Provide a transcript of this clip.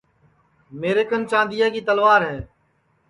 میرے کن چاندیا کی تلوار ہے